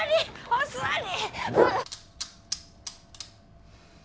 お座り！